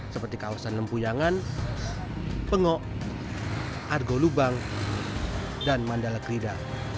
seperti kawasan lempuyangan pengok argo lubang dan mandala krida